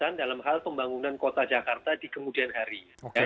ini adalah hal pembangunan kota jakarta di kemudian hari